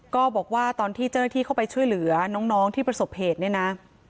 ก็บอกว่าตอนที่เจ้าหน้าที่เข้าไปช่วยเหลือน้องที่ประสบเหตุเนี่ยนะ